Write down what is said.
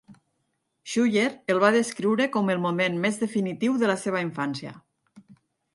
Schuller el va descriure com el moment més definitiu de la seva infància.